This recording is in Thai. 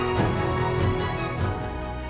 สวัสดีครับทุกคน